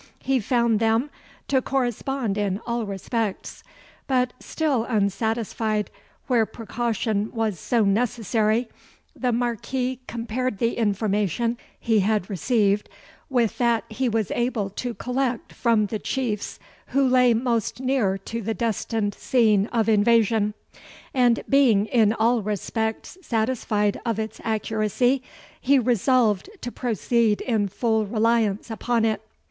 He found them to correspond in all respects; but, still unsatisfied where precaution was so necessary, the Marquis compared the information he had received with that he was able to collect from the Chiefs who lay most near to the destined scene of invasion, and being in all respects satisfied of its accuracy, he resolved to proceed in full reliance upon it.